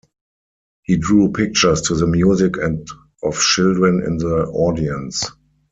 He drew pictures to the music and of children in the audience.